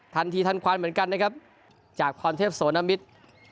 ทันทีทันควันเหมือนกันนะครับจากพรเทพโสนมิตร